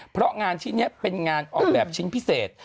เพราะงานชิ้นนี้เป็นงานออกแบบชิ้นพิเศษ